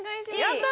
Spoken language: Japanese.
やった！